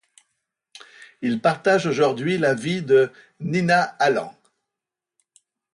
Il partage aujourd'hui la vie de Nina Allan.